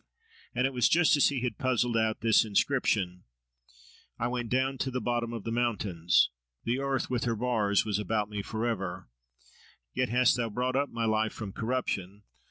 And it was just as he had puzzled out this inscription— I went down to the bottom of the mountains. The earth with her bars was about me for ever: Yet hast Thou brought up my life from corruption!